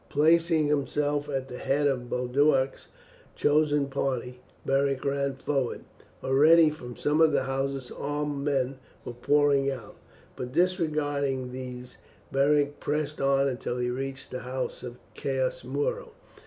Placing himself at the head of Boduoc's chosen party, Beric ran forward. Already from some of the houses armed men were pouring out, but disregarding these Beric pressed on until he reached the house of Caius Muro.